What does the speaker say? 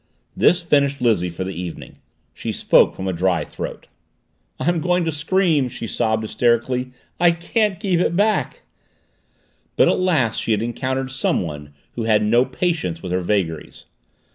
This finished Lizzie for the evening. She spoke from a dry throat. "I'm going to scream!" she sobbed hysterically. "I can't keep it back!" But at last she had encountered someone who had no patience with her vagaries.